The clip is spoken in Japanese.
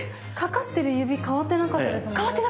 かかってる指変わってなかったですもんね。